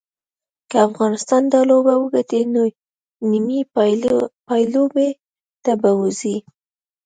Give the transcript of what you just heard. که افغانستان دا لوبه وګټي نو نیمې پایلوبې ته به ووځي